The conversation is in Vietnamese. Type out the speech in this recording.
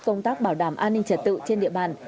công tác bảo đảm an ninh trật tự trên địa bàn